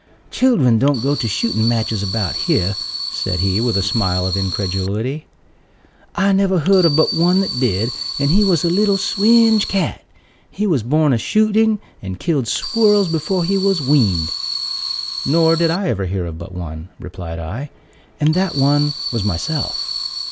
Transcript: "Children don't go to shooting matches about here," said he, with a smile of incredulity. "I never heard of but one that did, and he was a little swinge cat. He was born a shooting, and killed squirrels before he was weaned." "Nor did I ever hear of but one," replied I, "and that one was myself."